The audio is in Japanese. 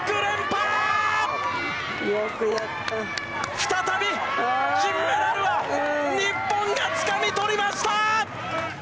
再び、金メダルは日本がつかみ取りました。